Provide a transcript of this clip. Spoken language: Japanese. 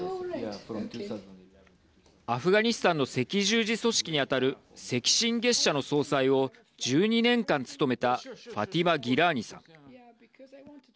アフガニスタンの赤十字組織に当たる赤新月社の総裁を１２年間務めたファティマ・ギラーニさん。